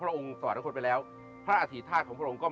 วัดสุทัศน์นี้จริงแล้วอยู่มากี่ปีตั้งแต่สมัยราชการไหนหรือยังไงครับ